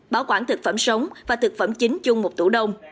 bảo quản thực phẩm sống và thực phẩm chính chung một tủ đông